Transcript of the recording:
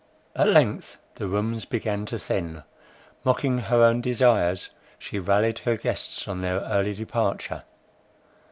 At length the rooms began to thin. Mocking her own desires, she rallied her guests on their early departure.